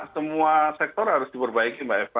semua sektor harus diperbaiki mbak eva